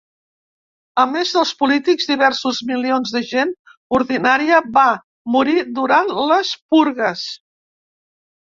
A més dels polítics, diversos milions de gent ordinària va morir durant les Purgues.